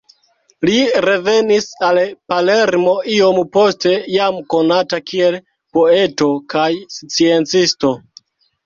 Li revenis al Palermo iom poste, jam konata kiel poeto kaj sciencisto.